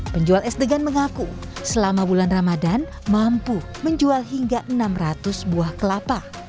penjual es degan mengaku selama bulan ramadan mampu menjual hingga enam ratus buah kelapa